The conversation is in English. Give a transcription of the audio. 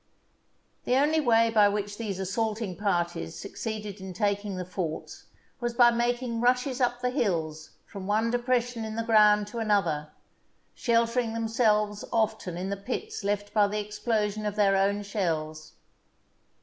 The only way by which these assaulting parties succeeded in taking the forts was by making rushes up the hills from one depression in the ground to another, sheltering themselves often in the pits left by the explosion of their own shells.